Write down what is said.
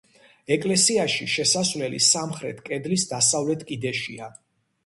ეკლესიაში შესასვლელი სამხრეთ კედლის დასავლეთ კიდეშია.